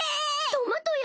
トマトや！